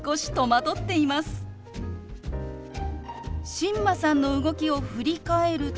新間さんの動きを振り返ると。